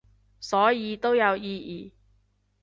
所以都有意義